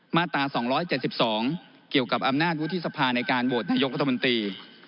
มาตรา๒๗๒เกี่ยวกับอำนาจวุฒิสภาในการโหวตนายกรัฐมนตรี